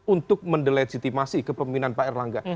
untuk mendelegitimasi kepemimpinan pak erlangga